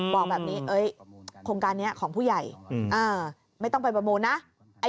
บอกแบบนี้โครงการนี้ของผู้ใหญ่ไม่ต้องไปประมูลนะ